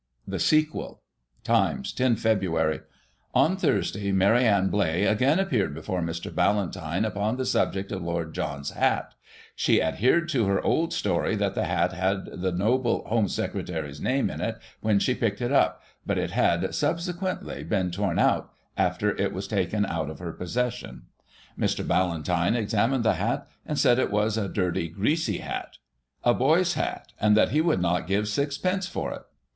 The sequel : Times y 10 Feb.: — On Thursday, Mary Ann Blay again appeared before Mr. Ballantyne upon the subject of Lord John's hat She adhered to her old story, that the hat had the noble Home Secretary's name in it when she picked it up, but it had, subsequently, been torn out, after it was taken out of her possession. Mr. Ballantyne examined the hat, and said it was a dirty, greasy hat — z, boy's hat, and that he would not give 6d. for it.